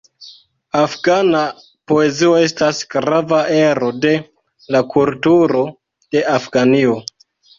Afgana poezio estas grava ero de la kulturo de Afganio.